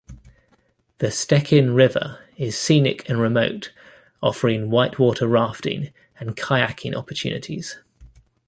The Stehekin River is scenic and remote, offering whitewater rafting and kayaking opportunities.